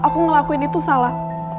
aku ngelakuin itu salah